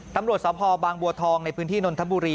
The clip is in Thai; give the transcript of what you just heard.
ตำรวจสภบางบัวทองในพื้นที่นนทบุรี